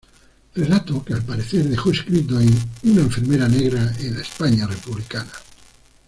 Relato que al parecer dejó escrito en "Una enfermera negra en la España republicana".